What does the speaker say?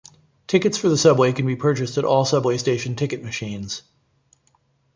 Tickets for the subway can be purchased at all subway station ticket machines.